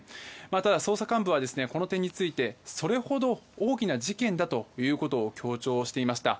ただ、捜査幹部はこの点についてそれほど大きな事件だということを強調していました。